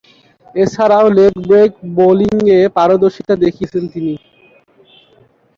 এছাড়াও, leg break বোলিংয়ে পারদর্শীতা দেখিয়েছেন তিনি।